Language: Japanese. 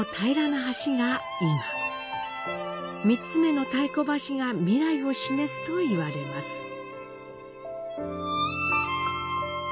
３つ目の太鼓橋が未来を示すといわれます。